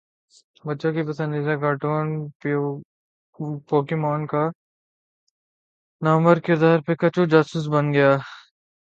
بچوں کے پسندیدہ کارٹون پوکیمون کا نامور کردار پکاچو جاسوس بن گیا